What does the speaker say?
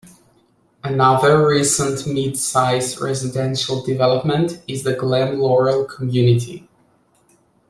Another recent mid-size residential development is the Glen Laurel community.